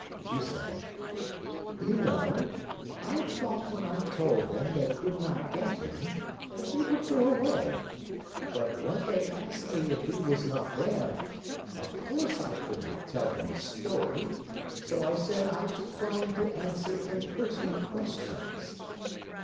She said: "You know, I thought when I told them they could not get him that they would go away, but when they asked me if he was not there, of course I could not tell them a story; so I said I declined to answer impertinent questions.